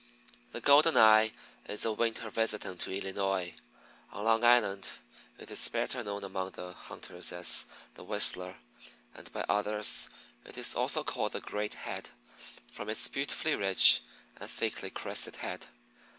The Golden eye is a winter visitant to Illinois. On Long Island it is better known among the hunters as the "Whistler," and by others it is also called the "Great head," from its beautifully rich and thickly crested head.